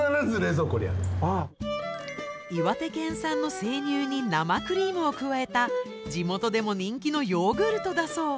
岩手県産の生乳に生クリームを加えた地元でも人気のヨーグルトだそう。